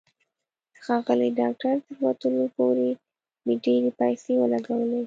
د ښاغلي ډاکټر تر ورتلو پورې مې ډېرې پیسې ولګولې.